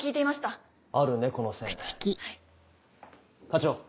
課長。